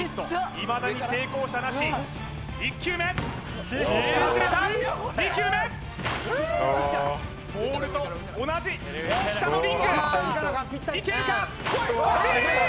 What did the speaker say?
いまだに成功者なし１球目外れたおお２球目うおボールと同じ大きさのリングいけるか惜しい！